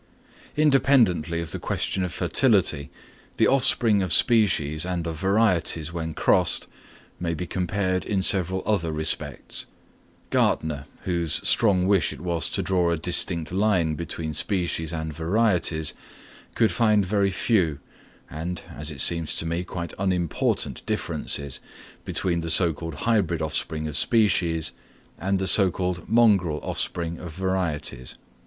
_ Independently of the question of fertility, the offspring of species and of varieties when crossed may be compared in several other respects. Gärtner, whose strong wish it was to draw a distinct line between species and varieties, could find very few, and, as it seems to me, quite unimportant differences between the so called hybrid offspring of species, and the so called mongrel offspring of varieties.